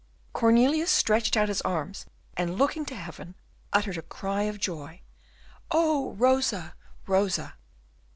Cornelius stretched out his arms, and, looking to heaven, uttered a cry of joy, "Oh, Rosa, Rosa!"